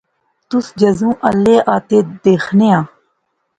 تس جذوں الے آ تے دیخنے آں